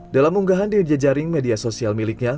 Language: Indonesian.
dalam unggahan di jejaring media sosial miliknya